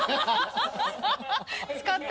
使った？